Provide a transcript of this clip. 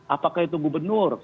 apakah itu gubernur